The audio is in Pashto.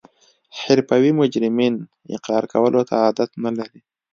حرفوي مجرمین اقرار کولو ته عادت نلري